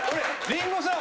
リンゴさん